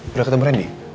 udah ketemu rendy